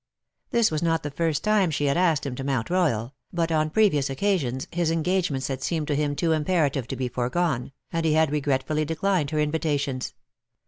This was not the first time she had [asked him to Mount Royal, but on previous occasions his engagements had seemed to him too imperative to be foregone, and he had regretfully declined her invitations.